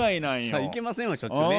そら行けませんわしょっちゅうね。